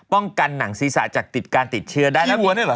ป้องกันหนังศีรษะจากการติดเชือได้